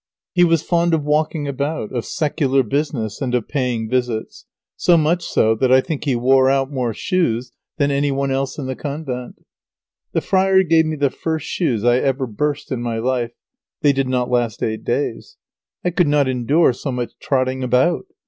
He was fond of walking about, of secular business, and of paying visits, so much so that I think he wore out more shoes than any one else in the convent. The friar gave me the first shoes I ever burst in my life. They did not last eight days. I could not endure so much trotting about.